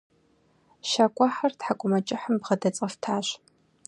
Щакӏуэхьэр тхьэкӏумэкӏыхьым бгъэдэцӏэфтащ.